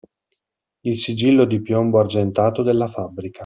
Il sigillo di piombo argentato della fabbrica.